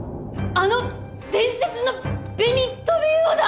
あの伝説の紅トビウオ団！？